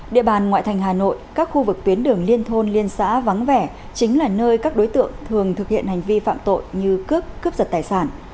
địa bàn ngoại thành hà nội các khu vực tuyến đường liên thôn liên xã vắng vẻ chính là nơi các đối tượng thường thực hiện hành vi phạm tội như cướp cướp giật tài sản